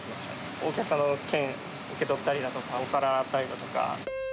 お客さんの券を受け取ったりだとか、お皿洗ったりだとか。